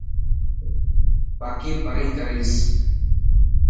با ڪي پرين ڪريس.